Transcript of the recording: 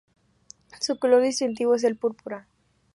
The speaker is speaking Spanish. Su color distintivo es el púrpura.